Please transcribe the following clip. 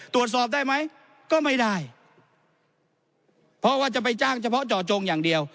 ตรวจสอบได้ไหมก็ไม่ได้เพราะว่าจะไปจ้างเฉพาะเจาะจงอย่างเดียว